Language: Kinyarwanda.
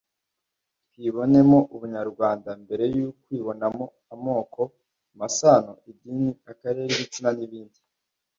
Twibonemo Ubunyarwanda mbere yo kwibonamo amoko amasano idini akarere igitsina n’ibindi